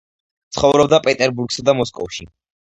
ცხოვრობდა პეტერბურგსა და მოსკოვში.